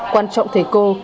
quan trọng thầy cô